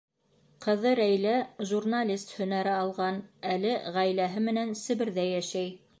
Ҡыҙы Рәйлә журналист һөнәре алған, әле ғаиләһе менән Себерҙә йәшәй.